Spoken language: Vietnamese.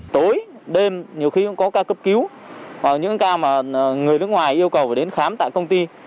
tối đêm nhiều khi cũng có ca cấp cứu hoặc những ca mà người nước ngoài yêu cầu phải đến khám tại công ty